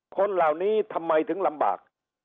คนเหล่านี้ทำไมถึงลำบาก